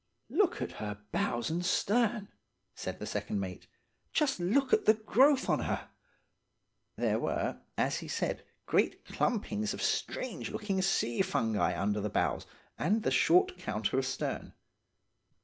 "'Look at her bows and stern,' said the second mate. 'Just look at the growth on her!' "There were, as he said, great clumpings of strange looking sea fungi under the bows and the short counter astern.